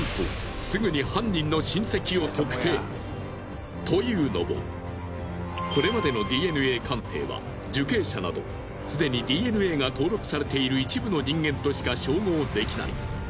なんとというのもこれまでのＤＮＡ鑑定は受刑者などすでにＤＮＡが登録されている一部の人間としか照合できない。